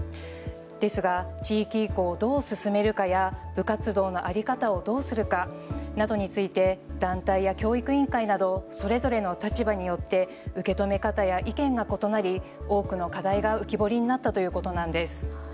ですが地域移行をどう進めるかや部活動の在り方をどうするかなどについて団体や教育委員会などそれぞれの立場によって受け止め方や意見が異なり多くの課題が浮き彫りになったということなんです。